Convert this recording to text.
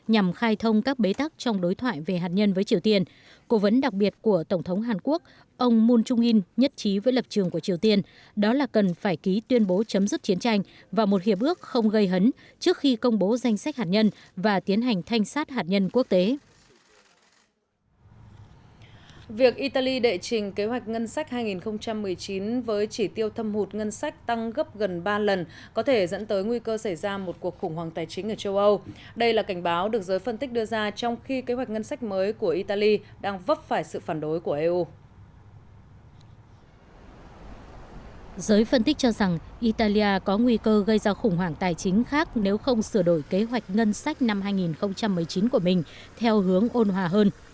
hãy phân tích cho rằng italia có nguy cơ gây ra khủng hoảng tài chính khác nếu không sửa đổi kế hoạch ngân sách năm hai nghìn một mươi chín của mình theo hướng ôn hòa hơn